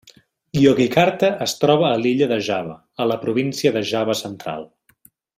Yogyakarta es troba a l'illa de Java, a la província de Java central.